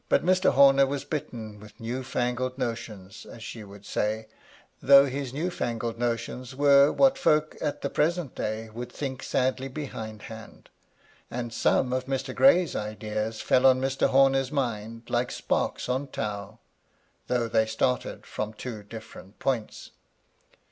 81 But Mr. Homer was bitten with new fangled notions, as she would say, though his new fangled notions were what folk at the present day would think sadly behindhand ; and some of Mr. Gray's ideas fell on Mr. Horner's mind like sparks on tow, though they started from two different points.